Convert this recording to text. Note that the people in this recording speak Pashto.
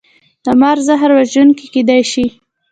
د مار زهر وژونکي کیدی شي